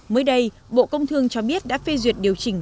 mới đây bộ công thương cho biết đã phê duyệt điều chỉnh